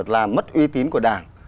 làm mất uy tín của đảng